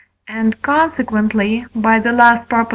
and, consequently (by the last Prop.)